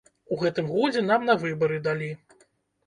У гэтым годзе нам на выбары далі.